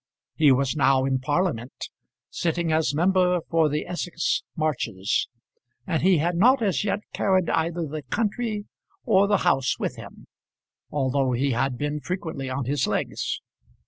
He was now in Parliament, sitting as member for the Essex Marshes, and he had not as yet carried either the country or the House with him, although he had been frequently on his legs.